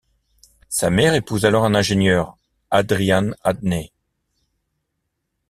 Sa mère épouse alors un ingénieur, Adrian Adney.